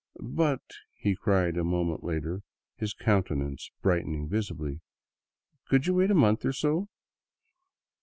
" But," he cried a moment later, his countenance brightening visibly, " could you wait a month or so